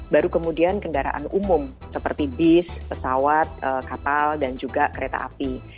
baru kemudian kendaraan umum seperti bis pesawat kapal dan juga kereta api